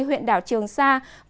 huyện đảo trường sa